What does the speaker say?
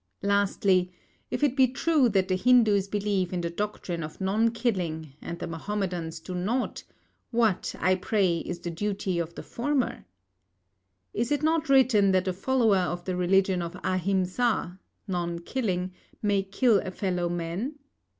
Lastly, if it be true that the Hindus believe in the doctrine of non killing and the Mahomedans do not, what, I pray, is the duty of the former? It is not written that a follower of the religion of Ahimsa (non killing) may kill a fellow man.